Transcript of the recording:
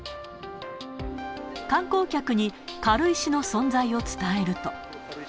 観光客に軽石の存在を伝えると。